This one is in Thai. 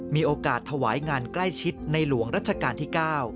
มีโอกาสถวายงานใกล้ชิดในหลวงรัชกาลที่๙